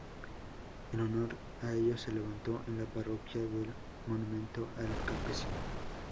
En honor a ellos se levantó en la parroquia el monumento al campesino.